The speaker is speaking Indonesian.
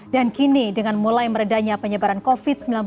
dan kini dengan mulai meredanya penyebaran covid sembilan belas